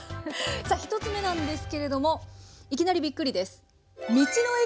さあ１つ目なんですけれどもいきなりびっくりです。